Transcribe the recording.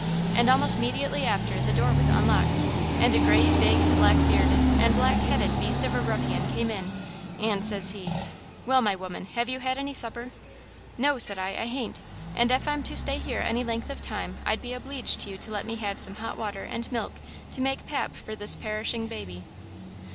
And almost 'mediately after the door was unlocked, and a great, big, black bearded and black headed beast of a ruffian came in, and says he: "'Well, my woman, have you had any supper?' "'No,' said I, 'I hain't; and ef I'm to stay here any length of time I'd be obleeged to you to let me have some hot water and milk to make pap for this perishing baby.'